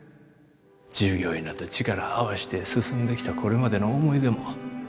従業員らと力合わして進んできたこれまでの思い出も。